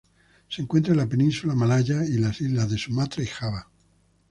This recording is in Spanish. Se encuentra en la península malaya, y las islas de Sumatra y Java.